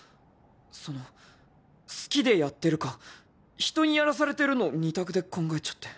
その「好きでやってる」か「人にやらされてる」の２択で考えちゃって。